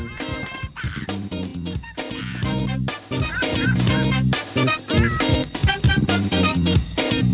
ต้าต้าต้า